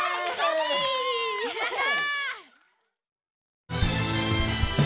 やった！